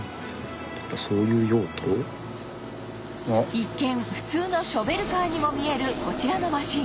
一見普通のショベルカーにも見えるこちらのマシン